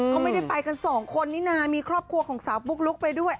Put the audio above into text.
เขาไม่ได้ไปกันสองคนนี่นะมีครอบครัวของสาวปุ๊กลุ๊กไปด้วย